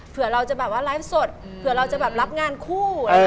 เผื่อเราจะแบบว่าไลฟ์สดเผื่อเราจะแบบรับงานคู่